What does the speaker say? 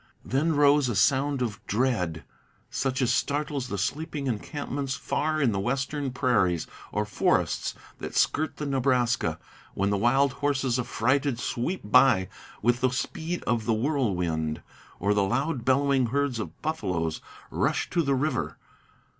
Then rose a sound of dread, such as startles the sleeping encampments Far in the western prairies or forests that skirt the Nebraska, When the wild horses affrighted sweep by with the speed of the whirlwind, Or the loud bellowing herds of buffaloes rush to the river.